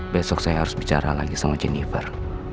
besok saya harus bicara lagi sama jennifer